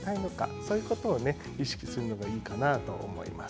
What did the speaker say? そういうことを意識するのがいいのかなと思います。